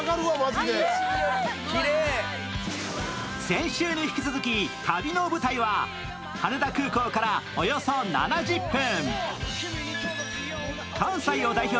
先週に引き続き旅の舞台は羽田空港からおよそ７０分。